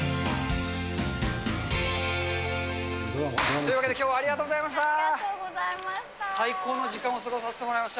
というわけで、きょうはありがとありがとうございました。